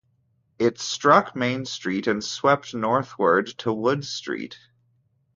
It struck Main Street and swept northward to Wood Street.